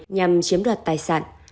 nhằm chiếm đoạt tài sản